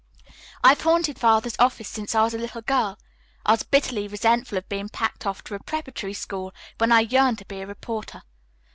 I have haunted Father's office since I was a little girl. I was bitterly resentful of being packed off to a preparatory school when I yearned to be a reporter.